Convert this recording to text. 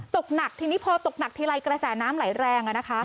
ตกหนักทีนี้พอตกหนักทีไรกระแสน้ำไหลแรง